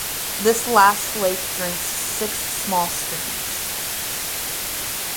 This last lake drinks six small streams.